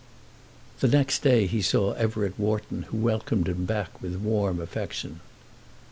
The next day he saw Everett Wharton, who welcomed him back with warm affection.